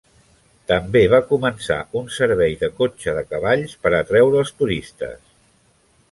També va començar un servei de cotxe de cavalls per a atreure els turistes.